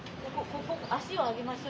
足を上げましょう。